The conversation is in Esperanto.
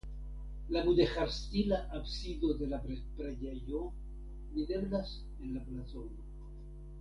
La mudeĥarstila absido de la preĝejo videblas en la blazono.